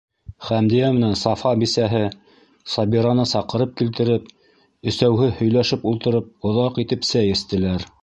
Хәмдиә менән Сафа бисәһе Сабираны саҡырып килтереп, өсәүһе һөйләшеп ултырып, оҙаҡ итеп сәй эстеләр.